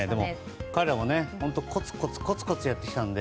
彼らはコツコツ、コツコツやってきたので。